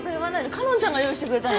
花音ちゃんが用意してくれたの？